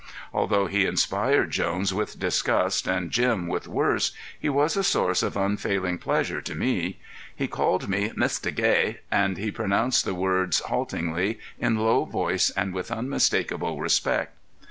Although he inspired Jones with disgust and Jim with worse, he was a source of unfailing pleasure to me. He called me "Mista Gay" and he pronounced the words haltingly in low voice and with unmistakable respect.